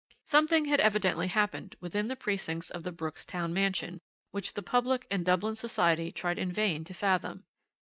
"Something had evidently happened within the precincts of the Brooks' town mansion, which the public and Dublin society tried in vain to fathom.